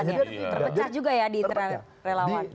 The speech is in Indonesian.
terpecah juga ya di internal relawan